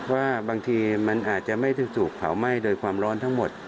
ว่าบางทีมันอาจจะไม่ได้ถูกเผาไหม้โดยความร้อนทั้งหมด